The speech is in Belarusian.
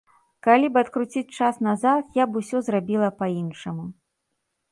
Калі б адкруціць час назад, я б усё зрабіла па-іншаму.